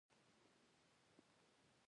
بیا د سنایپر ډزې را په زړه شوې چې پر ما کېدلې